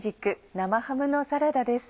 生ハムのサラダ」です。